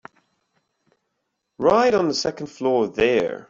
Right on the second floor there.